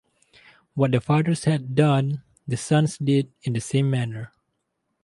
What the fathers had done, the sons did in the same manner.